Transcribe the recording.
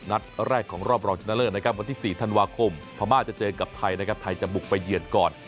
นัดแรกของรอบรองชนะเลิศวันที่๔ธันวาคมพามาจะเจอกับไทยไทยจะบุกไปเหยื่อนก่อน